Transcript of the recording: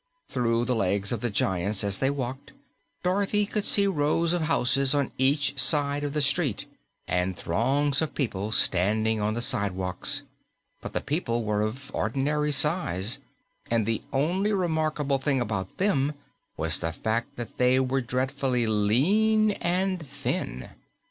Through the legs of the giants as they walked, Dorothy could see rows of houses on each side of the street and throngs of people standing on the sidewalks, but the people were of ordinary size and the only remarkable thing about them was the fact that they were dreadfully lean and thin.